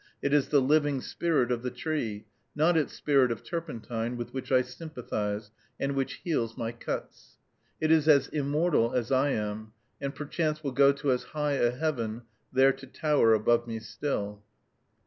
It is the living spirit of the tree, not its spirit of turpentine, with which I sympathize, and which heals my cuts. It is as immortal as I am, and perchance will go to as high a heaven, there to tower above me still.